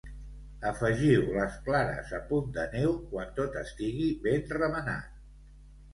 Afegiu les clares a punt de neu quan tot estigui ben remenat.